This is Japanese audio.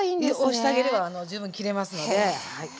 押してあげれば十分切れますので。